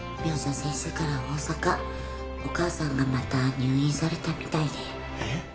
先週から大阪お母さんがまた入院されたみたいでえッ？